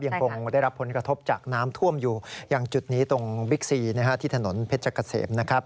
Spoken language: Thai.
ยังคงได้รับผลกระทบจากน้ำท่วมอยู่อย่างจุดนี้ตรงบิ๊กซีที่ถนนเพชรเกษมนะครับ